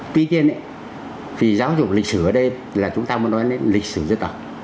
tuy nhiên vì giáo dục lịch sử ở đây là chúng ta muốn nói đến lịch sử dân tộc